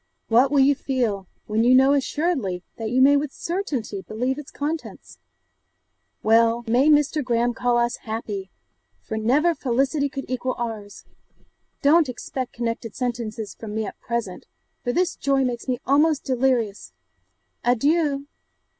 What will you feel, when you know assuredly that you may with certainty believe its contents? Well may Mr. Graham call us happy! for never felicity could equal ours! Don't expect connected sentences from me at present, for this joy makes me almost delirious. Adieu!